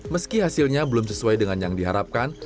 meski hasilnya belum sesuai dengan yang diharapkan